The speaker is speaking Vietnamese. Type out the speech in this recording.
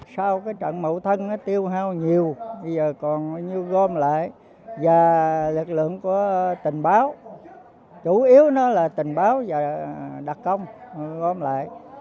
sau trận mậu thân tiêu hao nhiều bây giờ còn gom lại và lực lượng của tình báo chủ yếu là tình báo và đặc công gom lại